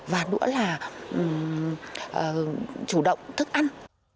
và nữa là chủ động thức ăn